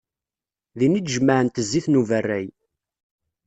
Din i d-jemεent zzit n uberray.